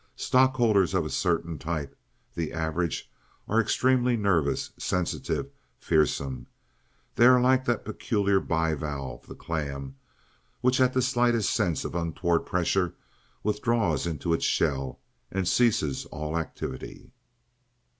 Stockholders of a certain type—the average—are extremely nervous, sensitive, fearsome. They are like that peculiar bivalve, the clam, which at the slightest sense of untoward pressure withdraws into its shell and ceases all activity.